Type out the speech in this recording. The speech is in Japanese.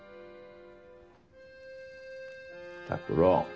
拓郎。